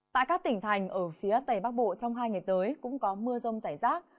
tại các tỉnh thành ở phía tầy bắc bộ trong hai ngày tới cũng có mưa rông giải rác